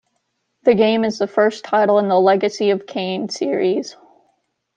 The game is the first title in the "Legacy of Kain" series.